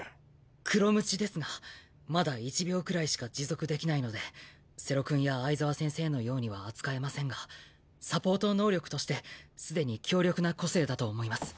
黒鞭ですがまだ１秒くらいしか持続できないので瀬呂くんや相澤先生のようには扱えませんがサポート能力として既に強力な個性だと思います。